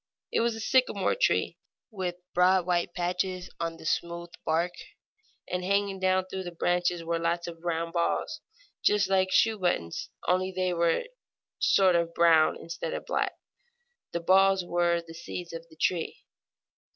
It was a sycamore tree, with broad white patches on the smooth bark, and hanging down from the branches were lots of round balls, just like shoe buttons, only they were a sort of brown instead of black. The balls were the seeds of the tree.